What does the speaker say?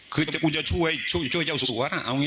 คือแต่กูจะช่วยเจ้าสวนได้ดีกว่าง่าย